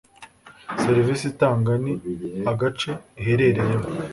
serivisi itanga n agace iherereyemo